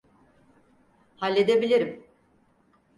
Halledebilirim.